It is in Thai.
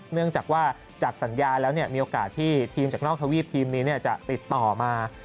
เนื่องจากว่าจากสัญญาแล้วมีโอกาสที่ทีมจากนอกทวีปทีมนี้จะติดต่อมา